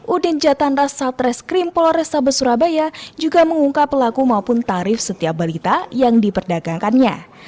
udin jatandas satreskrim polresta besurabaya juga mengungkap pelaku maupun tarif setiap balita yang diperdagangkannya